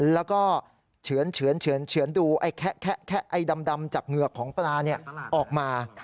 แล้วก็เฉือนดูไอ้ดำจากเหงือกของปลาออกมา